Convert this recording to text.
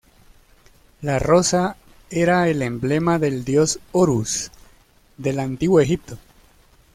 La rosa era el emblema del dios Horus del Antiguo Egipto.